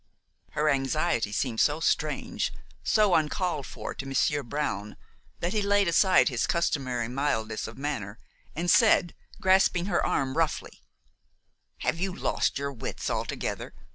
Her anxiety seemed so strange, so uncalled for to Monsieur Brown, that he laid aside his customary mildness of manner, and said, grasping her arm roughly: "Have you lost your wits altogether?